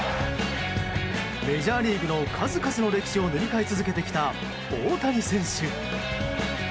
メジャーリーグの数々の歴史を塗り替え続けてきた大谷選手。